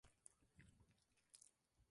Ese mismo año obtuvo más manuscritos.